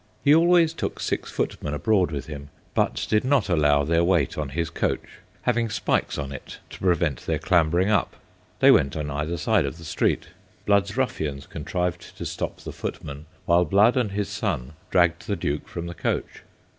He always took six footmen abroad with him, but did not allow their weight on his coach, having spikes on it to prevent their clambering up ; they went on either side of the street. Blood's ruffians contrived to stop the foot men, while Blood and his son dragged the Duke from the coach.